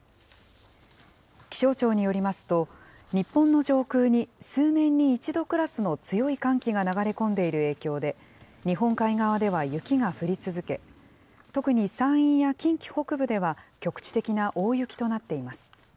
気象庁によりますと、日本の上空に数年に一度クラスの強い寒気が流れ込んでいる影響で、日本海側では雪が降り続き、特に山陰や近畿北部では局地的な大雪となっています。